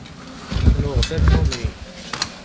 Nuɣ tannummi.